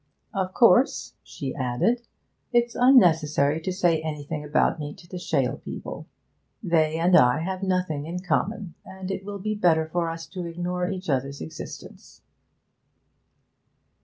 'Of course,' she added, 'it's unnecessary to say anything about me to the Shale people. They and I have nothing in common, and it will be better for us to ignore each other's existence.'